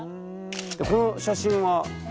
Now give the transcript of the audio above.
この写真は？